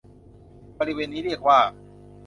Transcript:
บริเวณนี้เรียกว่า